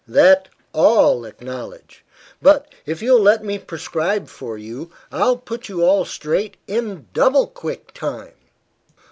That all acknowledge. But, if you'll let me prescribe for you, I'll put you all straight in double quick time."